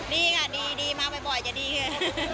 ดีค่ะดีมาบ่อยจะดีไง